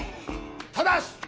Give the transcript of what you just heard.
ただし！